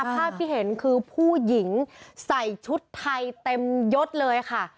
ภาพที่เห็นคือผู้หญิงใส่ชุดไทยเต็มยดเลยค่ะ